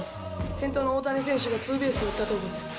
先頭の大谷選手がツーベース打ったところです。